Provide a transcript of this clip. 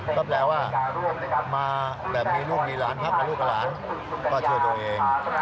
ก็แปลว่ามาแบบมีลูกมีหลานครับมีลูกกับหลานก็ช่วยตัวเอง